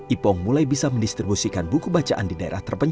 ipong mulai bisa mendistribusikan buku bacaan di desa